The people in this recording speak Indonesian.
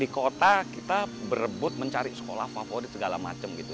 di kota kita berebut mencari sekolah favorit segala macam gitu